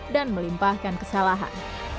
dan melimpahkan kesalahan